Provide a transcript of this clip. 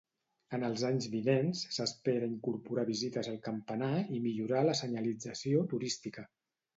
En els anys vinents s'espera incorporar visites al campanar i millorar la senyalització turística.